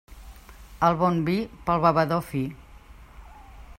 El bon vi, pel bevedor fi.